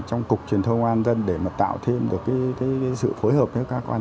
trong cục truyền thông công an dân để tạo thêm sự phối hợp với các quan